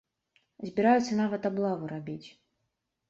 Збіраюцца нават аблаву рабіць.